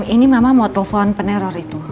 ini memang mau telepon peneror itu